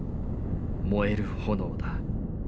燃える炎だ。